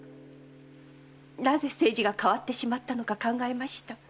なぜ清次が変わってしまったのか考えました。